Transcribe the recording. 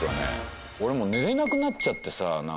寝れなくなっちゃってさ。